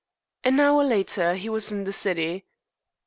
An hour later he was in the city.